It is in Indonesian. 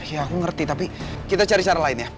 ya aku ngerti tapi kita cari cara lain ya